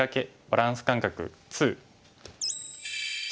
バランス感覚２」。